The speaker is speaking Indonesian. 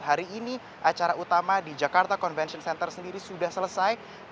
hari ini acara utama di jakarta convention center sendiri sudah selesai